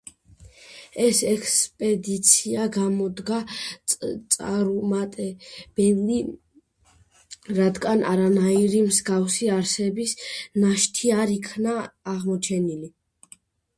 ეს ექსპედიცია გამოდგა წარუმატებელი, რადგან არანაირი მსგავსი არსების ნაშთი არ იქნა აღმოჩენლი.